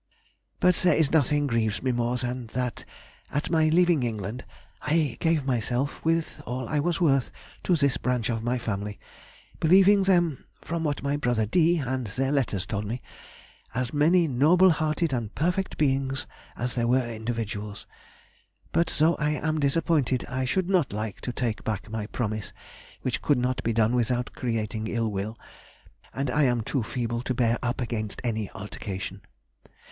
But there is nothing grieves me more than that, at my leaving England, I gave myself, with all I was worth, to this branch of my family, believing them (from what my brother D. and their letters told me) as many noble hearted and perfect beings as there were individuals. But though I am disappointed, I should not like to take back my promise, which could not be done without creating ill will, and I am too feeble to bear up against any altercation.